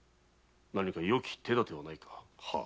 何かよき手だてはないか？